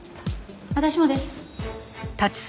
私もです。